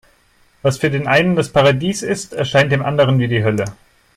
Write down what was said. Was für den einen das Paradies ist, erscheint dem anderem wie die Hölle.